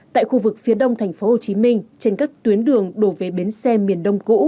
tại khu vực phía đông thành phố hồ chí minh trên các tuyến đường đổ về bến xe miền đông cũ